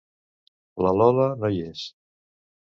La Lola no hi és.